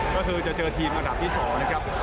ก็คือจะเจอทีมระดับที่๒นะครับ